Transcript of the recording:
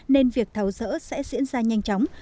nên việc tháo rỡ sẽ diễn ra nhanh chóng